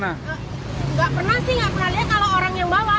tidak pernah sih nggak pernah lihat kalau orang yang bawa